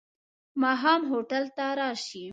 ماښام هوټل ته راشې.